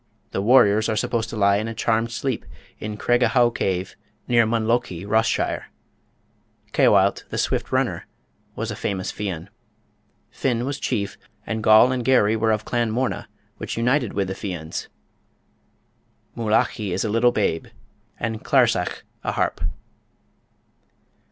The warriors are supposed to lie in a charmed sleep in Craig a howe Cave, near Munlochy, Ross shire. Caoilte, the swift runner, was a famous Fian. Finn was chief, and Goll and Garry were of Clan Morna, which united with the Fians. "Moolachie" is a little babe, and "clarsach," a harp.